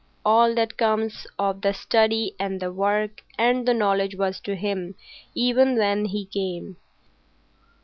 All that comes of the study and the work and the knowledge was to him even when he came.